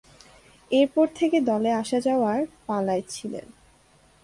এরপর থেকে দলে আসা-যাওয়ার পালায় ছিলেন।